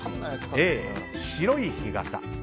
Ａ、白い日傘